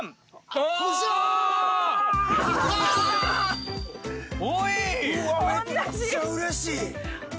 うわっめっちゃ嬉しい。